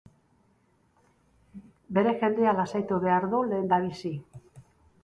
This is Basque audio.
Bere jendea lasaitu behar du lehendabizi.